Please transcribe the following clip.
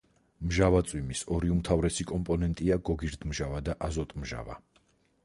მჟავა წვიმის ორი უმთავრესი კომპონენტია გოგირდმჟავა და აზოტმჟავა.